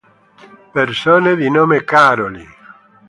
Persone di nome Károly